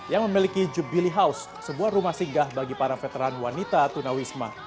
yang memiliki jubili house sebuah rumah singgah bagi para veteran wanita tunawisma